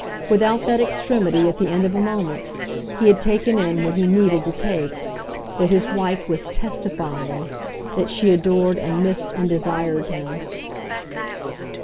Without that extremity, at the end of a moment, he had taken in what he needed to take that his wife was TESTIFYING, that she adored and missed and desired him.